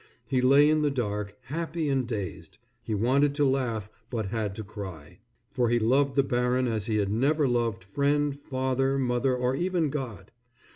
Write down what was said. He lay in the dark, happy and dazed. He wanted to laugh, but had to cry. For he loved the baron as he had never loved friend, father, mother, or even God.